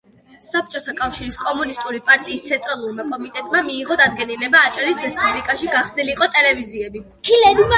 საბჭოთა კავშირის კომუნისტური პარტიის ცენტრალურმა კომიტეტმა მიიღო დადგენილება, აჭარის რესპუბლიკაში გახსნილიყო ტელევიზიები.